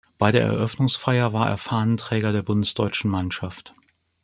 Bei der Eröffnungsfeier war er Fahnenträger der bundesdeutschen Mannschaft.